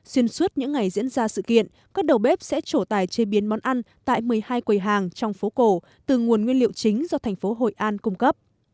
xuyên suốt những ngày diễn ra sự kiện các đầu bếp sẽ trổ tài chế biến món ăn tại một mươi hai quầy hàng trong phố cổ từ nguồn nguyên liệu chính do thành phố hội an cung cấp